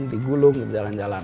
digulung gitu jalan jalan